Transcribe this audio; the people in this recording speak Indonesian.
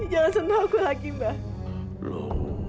jangan senang aku lagi mba